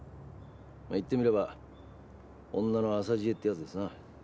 まぁ言ってみれば女の浅知恵ってヤツですな。